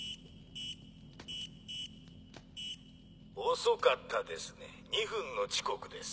遅かったですね２分の遅刻です。